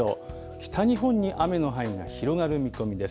北日本に雨の範囲が広がる見込みです。